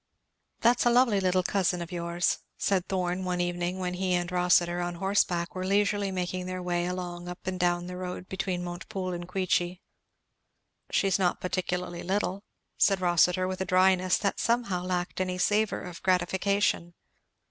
"That's a lovely little cousin of yours," said Thorn one evening, when he and Rossitur, on horseback, were leisurely making their way along the up and down road between Montepoole and Queechy. "She is not particularly little," said Rossitur with a dryness that somehow lacked any savour of gratification.